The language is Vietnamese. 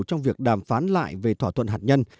trong việc đàm phán lại về thỏa thuận hạt nhân